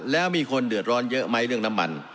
แล้วมีคนเดือดร้อนเยอะไหมเรื่องน้ำมัน